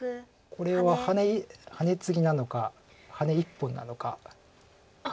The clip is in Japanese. これはハネツギなのかハネ１本なのか。